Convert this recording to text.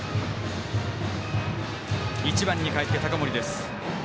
１番にかえって、高森です。